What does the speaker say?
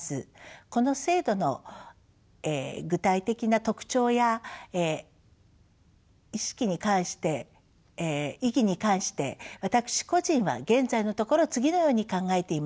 この制度の具体的な特徴や意義に関して私個人は現在のところ次のように考えています。